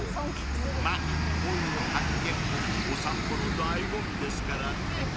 ［まっこういう発見もお散歩の醍醐味ですからね］